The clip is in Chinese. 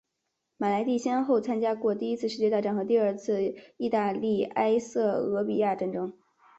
马莱蒂先后参加过第一次世界大战和第二次意大利埃塞俄比亚战争。